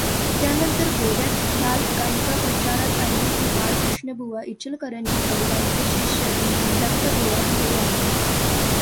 त्यानंतर गोव्यात ख्याल गायकी प्रचारात आणली ती बाळकृष्णबुवा इचलकरंजीकर यांचे शिष्य दत्तुबुवा भिडे यांनी.